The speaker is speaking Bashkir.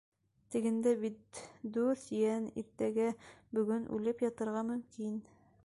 — Тегендә бит дүрт йән иртәгә-бөгөн үлеп ятырға мөмкин.